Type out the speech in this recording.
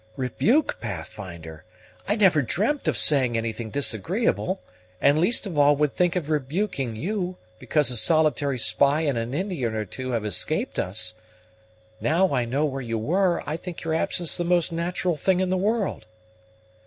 "Rebuke, Pathfinder! I never dreamt of saying anything disagreeable, and least of all would I think of rebuking you, because a solitary spy and an Indian or two have escaped us. Now I know where you were, I think your absence the most natural thing in the world."